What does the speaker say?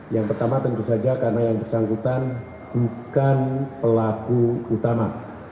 yang pertama tentu saja karena yang bersangkutan bukan pelaku utama